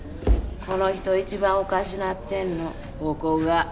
この人一番おかしなってんのここが。